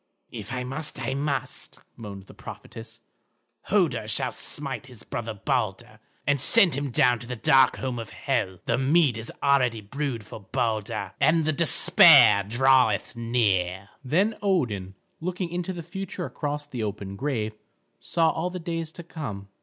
"If I must, I must," moaned the prophetess. "Hoder shall smite his brother Balder and send him down to the dark home of Hel. The mead is already brewed for Balder, and the despair draweth near." Then Odin, looking into the future across the open grave, saw all the days to come.